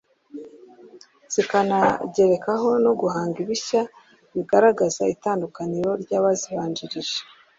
zikanagerekaho no guhanga ibishya bigaragaza itandukaniro ry’abazibanjirije